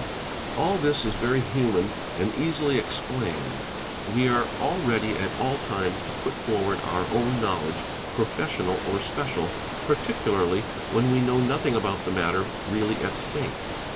JURYMEN 45 All this is very human and easily explained; we are all ready at all times to put forward our own knowledge, professional or special, parti ~cularly when we know nothing about the matter really at stake.